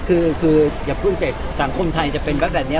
ใช่อย่าพูดสิสังคมไทยจะเป็นแบบนี้